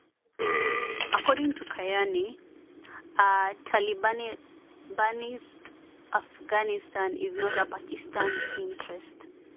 According to Kayani, a 'talibanised' Afghanistan is not in Pakistan's interests.